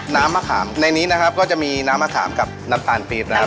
น้ำมะขามในนี้นะครับก็จะมีน้ำมะขามกับน้ำตาลปี๊บนะครับ